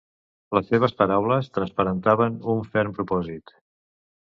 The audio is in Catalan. Les seves paraules transparentaven un ferm propòsit.